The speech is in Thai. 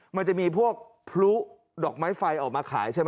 มันจะมีพวกพลุดอกไม้ไฟออกมาขายใช่ไหม